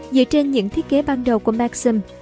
dựa trên những thiết kế ban đầu của maxim